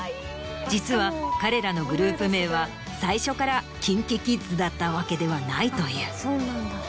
実は彼らのグループ名は最初からＫｉｎＫｉＫｉｄｓだったわけではないという。